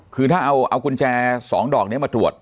คือถ้าเอากุญแจ๒ดอกนี้มาตรวจ